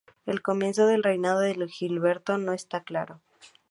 El comienzo del reinado de Gilberto no está claro.